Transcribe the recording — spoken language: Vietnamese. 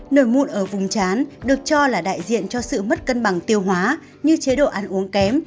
nổi mụn ở vùng chán được cho là đại diện cho sự mất cân bằng tiêu hóa như chế độ ăn uống kém